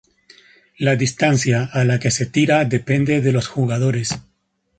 La distancia a la que se tira depende de los jugadores.